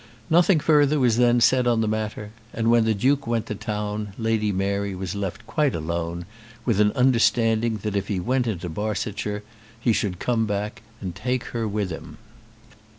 Nothing further was then said on the matter, and when the Duke went to town Lady Mary was left quite alone, with an understanding that if he went into Barsetshire he should come back and take her with him.